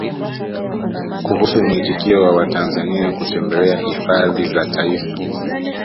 Kuhusu muitikio wa Watanzania kutembelea Hifadhi za Taifa